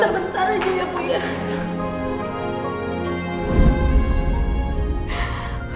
sebentar aja ya bu ya